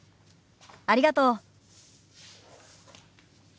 ありがとう。